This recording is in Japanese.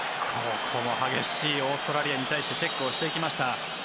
ここも激しいオーストラリアに対してチェックをしていきました。